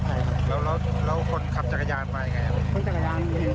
จึงที่นั้นหมด๖เป็นแหร่รั้งนี้